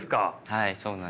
はいそうなんです。